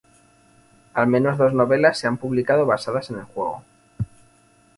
Al menos dos novelas se han publicado basadas en el juego.